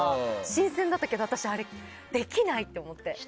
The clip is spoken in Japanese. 新鮮だったけど私あれできないって思って。